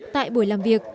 tại buổi làm việc